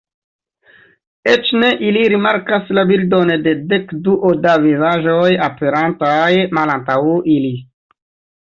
Eĉ ne ili rimarkas la bildon de dekduo da vizaĝoj aperantaj malantaŭ ili.